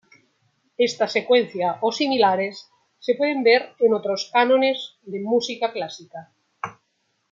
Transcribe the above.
Esta secuencia o similares se pueden ver en otros cánones de música clásica.